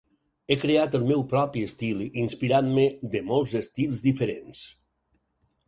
He creat el meu propi estil inspirant-me de molts estils diferents.